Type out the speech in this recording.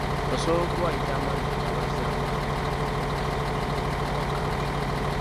Osobola okubayita amannya agabazzaamu amaanyi n’obutajulirira nnyo waka.